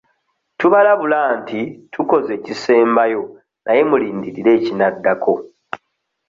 Tubalabula nti tukoze ekisembayo naye mulindirire ekinaddako.